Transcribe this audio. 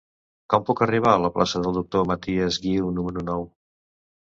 Com puc arribar a la plaça del Doctor Matias Guiu número nou?